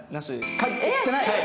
帰ってきてない？